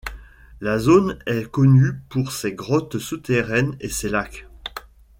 La zone est connue pour ses grottes souterraines et ses lacs.